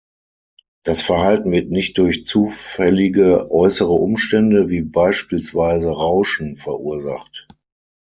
Das Verhalten wird nicht durch zufällige äußere Umstände, wie beispielsweise Rauschen, verursacht.